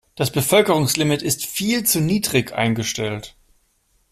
Das Bevölkerungslimit ist viel zu niedrig eingestellt.